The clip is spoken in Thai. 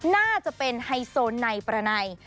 น่าจะเป็นไฮโซไนประไน